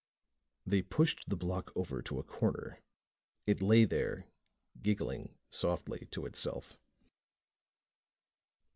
They pushed the block over to a corner. It lay there giggling softly to itself.